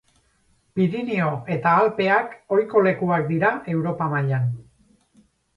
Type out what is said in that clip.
Pirinio eta Alpeak ohiko lekuak dira Europa mailan.